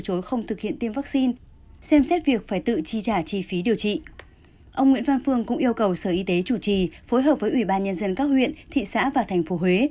ông nguyễn văn phương cũng yêu cầu sở y tế chủ trì phối hợp với ủy ban nhân dân các huyện thị xã và thành phố huế